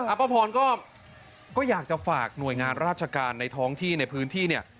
ป้าพรก็อยากจะฝากหน่วยงานราชการในท้องที่ในพื้นที่เนี่ย